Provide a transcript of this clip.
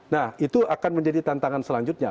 nah itu akan menjadi tantangan selanjutnya